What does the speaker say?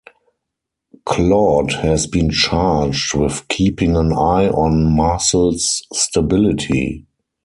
Claude has been charged with keeping an eye on Marcel's stability.